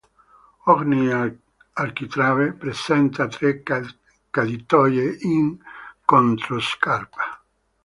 Ogni architrave presenta tre caditoie in controscarpa.